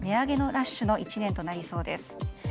ラッシュの１年となりそうです。